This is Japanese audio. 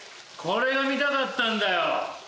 これが見たかったんだよ。